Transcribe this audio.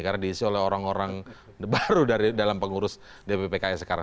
karena diisi oleh orang orang baru dalam pengurus dppk sekarang